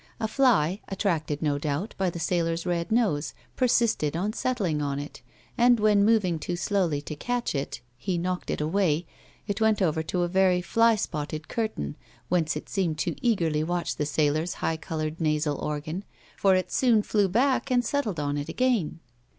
A fly, attracted, no doubt, by the sailor's red nose, persisted on settling on it, and when moving too slowly to catch it he knocked it away, it went over to a very fly spotted curtain whence it seemed to eagerly watch the sailor's highly coloured nasal organ, for it soon flew back and settled on it again.